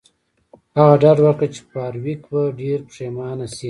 هغه ډاډ ورکړ چې فارویک به ډیر پښیمانه شي